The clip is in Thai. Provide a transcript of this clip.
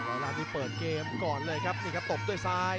ร้านนี้เปิดเกมก่อนเลยครับนี่ครับตบด้วยซ้าย